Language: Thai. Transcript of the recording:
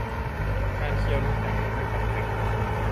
การเคี้ยวน้ำแข็ง ทำให้ฟันสึก